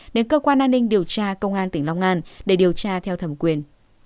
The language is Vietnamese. đến cơ quan an ninh điều tra công an tỉnh long an để điều tra theo thẩm quyền